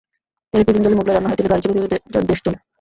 তেলে পিদিম জ্বলে, মোগলাই রান্না হয়, তেলে গাড়ি চলে, তেলে দেশ চলে।